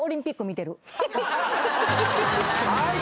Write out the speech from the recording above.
はい。